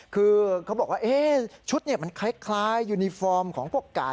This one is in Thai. คือเขาบอกว่าชุดมันคล้ายยูนิฟอร์มของพวกกาด